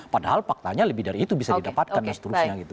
padahal faktanya lebih dari itu bisa didapatkan dan seterusnya gitu